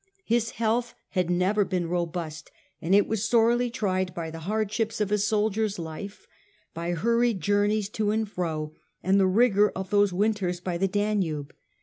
His health had never been robust, and it was sorely tried by the hard ships of a soldier's life, by hurried journeys to and fro, and the rigour of those winters by the Danube.